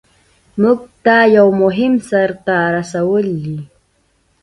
مونږ ته یو مهم سر ته رسول دي.